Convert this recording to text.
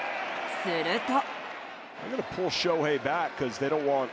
すると。